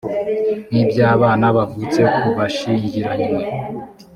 nk’iby’abana bavutse ku bashyingiranywe